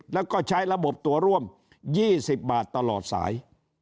แล้วก็ใช้ระบบตัวร่วม๒๐บาทตลอดสาย